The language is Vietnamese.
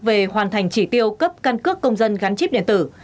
về hoàn thành chỉ tiêu cấp căn cước công dân gắn chip điện tử